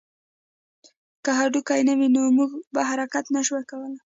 که هډوکي نه وی نو موږ به حرکت نه شوای کولی